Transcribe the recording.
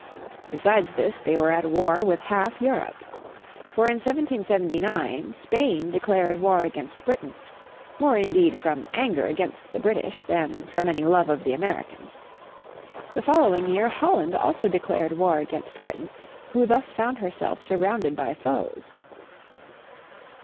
Besides this they were at war with half Europe. For in 1779 Spain declared war against Britain, more indeed from anger against the British than from any love of the Americans. The following year Holland also declared war against Britain, who thus found herself surrounded by foes.